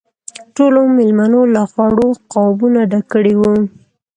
ټولو مېلمنو له خوړو قابونه ډک کړي وو.